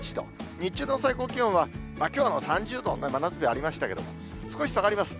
日中の最高気温はきょうは３０度、真夏日ありましたけど、少し下がります。